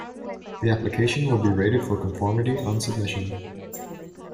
The application will be rated for conformity on submission.